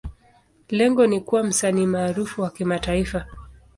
Lengo ni kuwa msanii maarufu wa kimataifa.